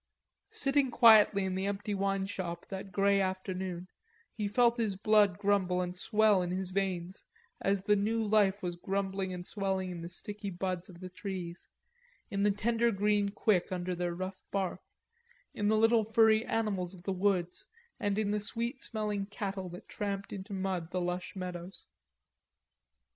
Sitting quietly in the empty wine shop that grey afternoon, he felt his blood grumble and swell in his veins as the new life was grumbling and swelling in the sticky buds of the trees, in the tender green quick under their rough bark, in the little furry animals of the woods and in the sweet smelling cattle that tramped into mud the lush meadows.